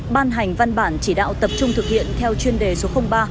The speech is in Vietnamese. ban hành văn bản chỉ đạo tập trung thực hiện theo chuyên đề số ba